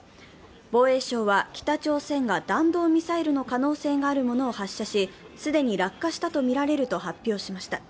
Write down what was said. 防衛省は北朝鮮が弾道ミサイルの可能性があるものを発射し、既に落下したとみられると発表しました。